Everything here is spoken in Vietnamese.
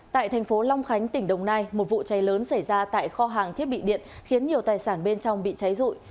tại thành phố long khánh tỉnh đồng nai một vụ cháy lớn xảy ra tại kho hàng thiết bị điện khiến nhiều tài sản bên trong bị cháy rụi